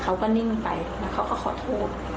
เขาก็นิ่งไปแล้วเขาก็ขอโทษ